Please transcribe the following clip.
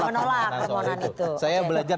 perundangan itu saya belajar